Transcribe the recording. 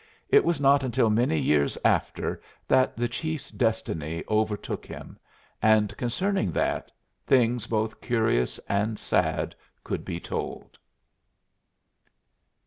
It was not until many years after that the chief's destiny overtook him; and concerning that, things both curious and sad could be told.